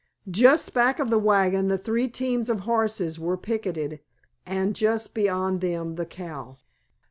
Just back of the wagon the three teams of horses were picketed, and just beyond them the cow.